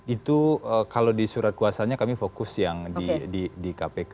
itu kalau di surat kuasanya kami fokus yang di kpk